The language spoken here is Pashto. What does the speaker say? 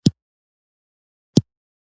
امر یې وکړ چې خطبه دې د هغه په نامه وویل شي.